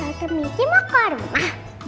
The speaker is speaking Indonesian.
tante michi mau ke rumah